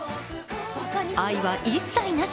愛は一切なし。